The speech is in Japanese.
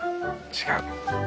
違う。